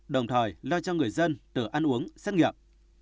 đồng thời lo cho người dân tự ăn uống xét nghiệm